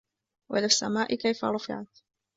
وَإِلَى السَّماءِ كَيفَ رُفِعَت